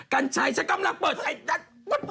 การไทท์จะเก็บหมด